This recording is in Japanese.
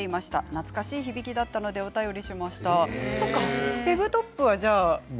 懐かしい響きだったのでお便りしました。